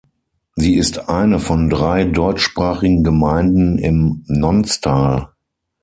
Sie ist eine von drei deutschsprachigen Gemeinden im Nonstal.